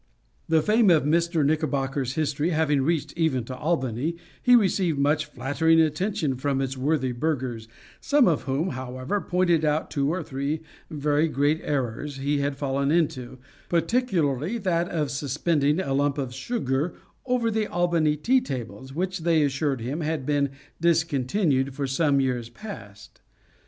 The fame of Mr. Knickerbocker's History having reached even to Albany, he received much flattering attention from its worthy burghers; some of whom, however, pointed out two or three very great errors he had fallen into, particularly that of suspending a lump of sugar over the Albany tea tables, which they assured him had been discontinued for some years past.